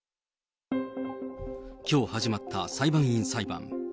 きょう始まった裁判員裁判。